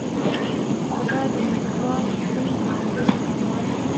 خو دا د لیکوال خپل ځانګړی کمال دی.